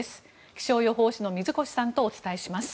気象予報士の水越さんとお伝えします。